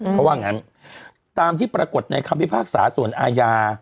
เขาว่างั้นตามที่ปรากฏในคำพิพากษาส่วนอาญา